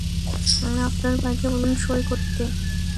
আপনার ভাইকে বলুন সঁই করতে।